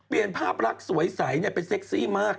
ภาพลักษณ์สวยใสเป็นเซ็กซี่มาก